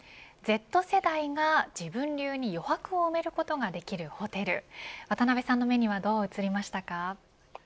Ｚ世代が自分流に余白を埋めることができるホテル渡辺さんの目にはどう映りましたか。